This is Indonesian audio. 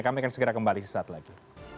kami akan segera kembali sesaat lagi